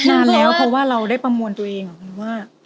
นานแล้วเพราะว่าเราได้ประมวลตัวเองเหรอคุณว่า